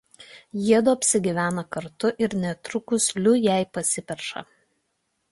Jiedu apsigyvena kartu ir netrukus Lui jai pasiperša.